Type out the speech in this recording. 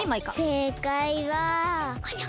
せいかい！